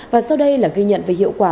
và sau đây là ghi nhận về hiệu quả